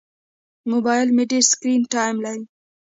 موبایل مې ډېر سکرین ټایم لري.